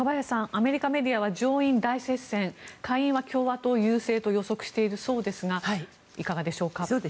アメリカメディアは上院大接戦下院は共和党優勢と予測しているそうですがいかがでしょうか。